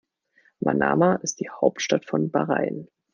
Manama ist die Hauptstadt von Bahrain.